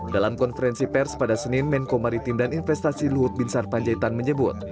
dalam konferensi pers pada senin menko maritim dan investasi luhut bin sarpanjaitan menyebut